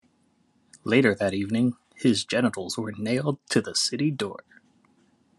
Later that evening, his genitals were nailed to the city door.